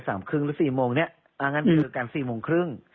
สามครึ่งหรือสี่โมงเนี้ยอ่างั้นคือการสี่โมงครึ่ง